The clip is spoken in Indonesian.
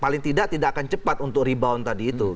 paling tidak tidak akan cepat untuk rebound tadi itu